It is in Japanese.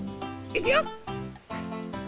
いくよ！